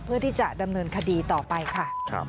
เพื่อที่จะดำเนินคดีต่อไปค่ะ